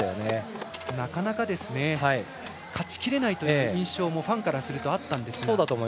なかなか、勝ちきれないという印象もファンからするとあったんですが。